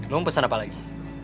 lo mau pesan apa lagi